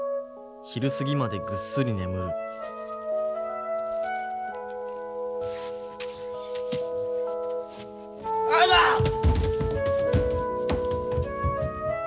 昼過ぎまでぐっすり眠るあっイタッ！